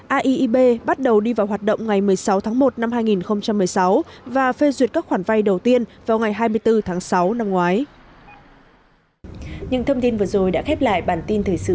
aib bắt đầu đi vào hoạt động ngày một mươi sáu tháng một năm hai nghìn một mươi sáu và phê duyệt các khoản vay đầu tiên vào ngày hai mươi bốn tháng sáu năm ngoái